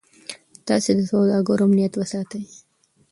تاسي د سوداګرو امنیت وساتئ.